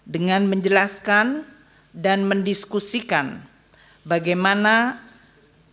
dengan menjelaskan dan mendiskusikan bagaimana apbn menjadi suatu perjalanan yang berpengaruh